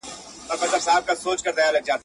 خو د خبري د رسولو لپاره دومره اړینه ده